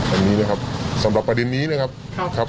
อันนี้นะครับสำหรับประเด็นนี้นะครับ